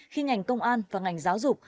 khi ngành công an và ngành giáo dục